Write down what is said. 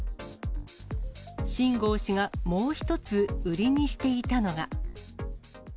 秦剛氏がもう一つ、売りにしていたのが。